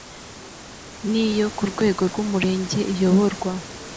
n iyo ku rwego rw umurenge iyoborwa